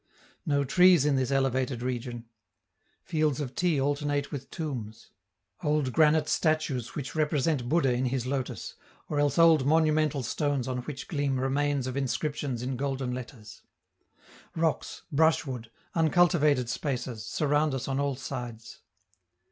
No trees in this elevated region. Fields of tea alternate with tombs: old granite statues which represent Buddha in his lotus, or else old monumental stones on which gleam remains of inscriptions in golden letters. Rocks, brushwood, uncultivated spaces, surround us on all sides.